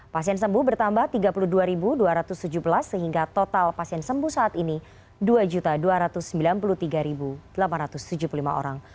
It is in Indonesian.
pasien sembuh bertambah tiga puluh dua dua ratus tujuh belas sehingga total pasien sembuh saat ini dua dua ratus sembilan puluh tiga delapan ratus tujuh puluh lima orang